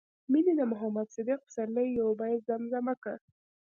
مينې د محمد صديق پسرلي يو بيت زمزمه کړ